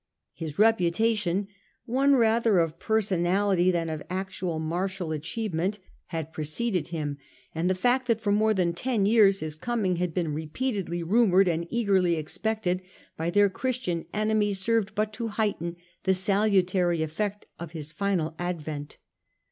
His reputation, one rather of personality than of actual martial achievement, had preceded him, and the fact that for more than ten years his coming had been repeatedly rumoured and eagerly expected by their Christian enemies served but to heighten the salutary effect of his final advent.